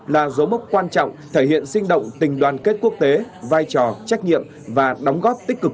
là dấu mốc quan trọng thể hiện sinh động tình đoàn kết quốc tế vai trò trách nhiệm và đóng góp tích cực